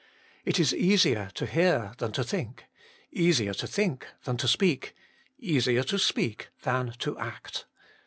It is easier to hear than to think, easier to think than to speak, easier to speak than to act.